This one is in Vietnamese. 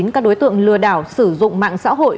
các đối tượng lừa đảo sử dụng mạng xã hội